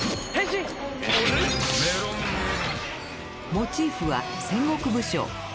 モチーフは戦国武将。